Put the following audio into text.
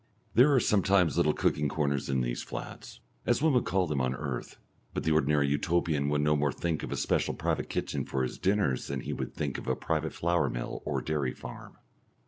There are sometimes little cooking corners in these flats as one would call them on earth but the ordinary Utopian would no more think of a special private kitchen for his dinners than he would think of a private flour mill or dairy farm.